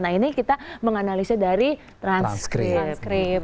nah ini kita menganalisa dari transkrip